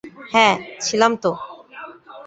হ্যাঁ, ছিলাম তো।